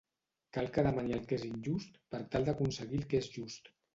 Cal que demani el que és injust, per tal d'aconseguir el que és just.